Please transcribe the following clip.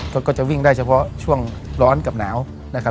ก็จะวิ่งได้เฉพาะช่วงร้อนกับหนาวนะครับ